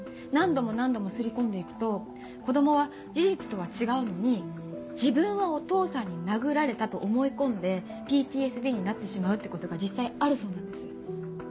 何度も何度も刷り込んで行くと子供は事実とは違うのに自分はお父さんに殴られたと思い込んでＰＴＳＤになってしまうってことが実際あるそうなんです。